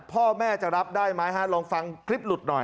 พ่อแม่จะรับได้ไหมฮะลองฟังคลิปหลุดหน่อย